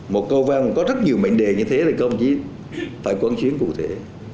một câu vang có rất nhiều mệnh đề như thế này không chỉ phải quân chuyến cụ thể